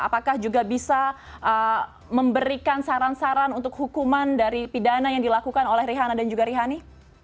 apakah juga bisa memberikan saran saran untuk hukuman dari pidana yang dilakukan oleh rihana dan juga rihani